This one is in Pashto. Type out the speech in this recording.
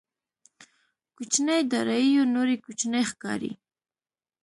کوچنيې داراییو نورې کوچنۍ ښکاري.